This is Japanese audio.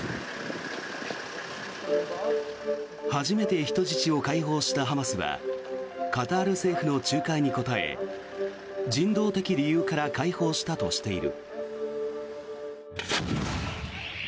初めて人質を解放したハマスはカタール政府の仲介に応え人道的理由から解放したとしている。